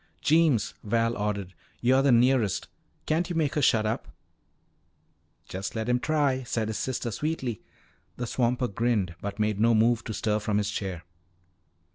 "Jeems," Val ordered, "you're the nearest. Can't you make her shut up?" "Just let him try," said his sister sweetly. The swamper grinned but made no move to stir from his chair.